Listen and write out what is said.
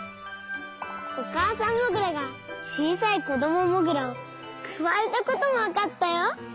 おかあさんモグラがちいさいこどもモグラをくわえたこともわかったよ。